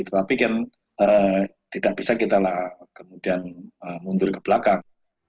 tetapi kan tidak bisa kita kemudian mundur ke belakang